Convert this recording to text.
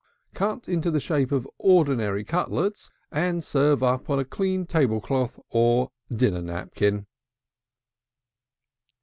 Cut it into the shape of ordinary cutlets, and serve up in a clean table cloth or dinner napkin.